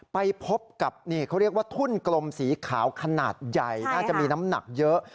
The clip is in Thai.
ไปพบกับทุ่นกลมสีขาวขนาดใหญ่น่าจะมีน้ำหนักเยอะ